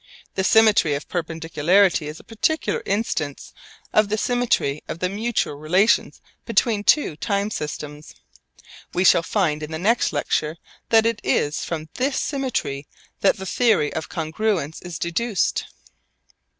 The symmetry of perpendicularity is a particular instance of the symmetry of the mutual relations between two time systems. We shall find in the next lecture that it is from this symmetry that the theory of congruence is deduced.